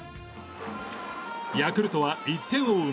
ヤクルトは１点を追う